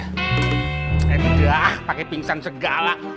eh udah pake pingsan segala